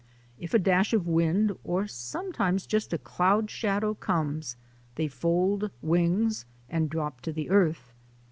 If a dash of wind, or sometimes just a cloud shadow comes, they fold wings and drop to the earth.